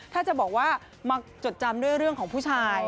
ถ้าจะบอกว่ามาจดจำด้วยเรื่องของผู้ชาย